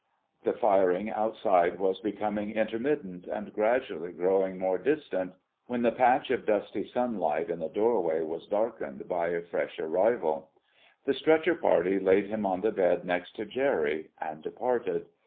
The firing outside was becoming intermittent and gradually growing more distant, when the patch of dusty sunlight in the doorway was darkened by a fresh arrival. The stretcher party laid him on the bed next to Jerry and departed.